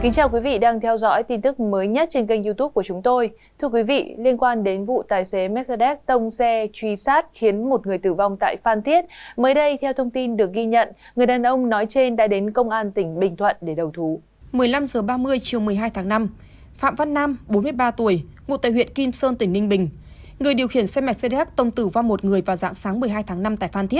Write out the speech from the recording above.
các bạn hãy đăng ký kênh để ủng hộ kênh của chúng tôi nhé